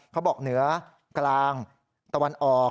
เขาบอกเหนือกลางตะวันออก